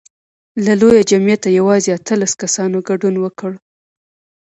له لوی جمعیته یوازې اتلس کسانو ګډون وکړ.